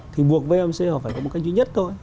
thì buộc vmc họ phải có một cái duy nhất thôi